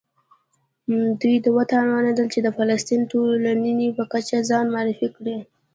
دوی وتوانېدل چې د فلسطیني ټولنې په کچه ځان معرفي کړي.